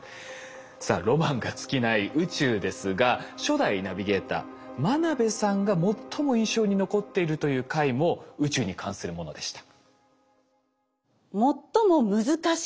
さあロマンが尽きない宇宙ですが初代ナビゲーター眞鍋さんが最も印象に残っているという回も宇宙に関するものでした。